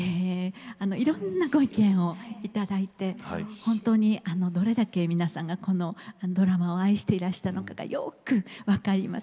いろんなご意見をいただいて本当にどれだけ皆さんがこのドラマを愛していらしたのかがよく分かります。